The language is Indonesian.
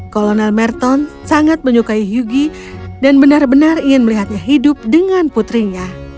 kolonel merton sangat menyukai hyuji dan benar benar ingin melihatnya hidup dengan putrinya